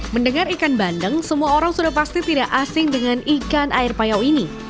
mendengar ikan bandeng semua orang sudah pasti tidak asing dengan ikan air payau ini